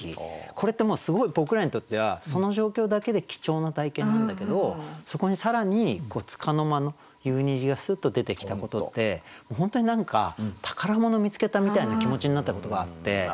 これってもうすごい僕らにとってはその状況だけで貴重な体験なんだけどそこに更に束の間の夕虹がスッと出てきたことで本当に何か宝物を見つけたみたいな気持ちになったことがあって。